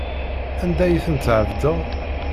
Anda ay ten-tɛebdeḍ?